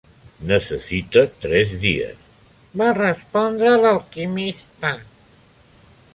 "Necessita tres dies", va respondre l'alquimista.